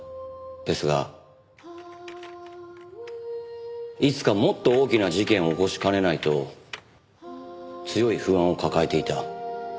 ですがいつかもっと大きな事件を起こしかねないと強い不安を抱えていた。